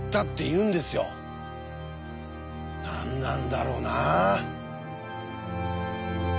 何なんだろうなあ。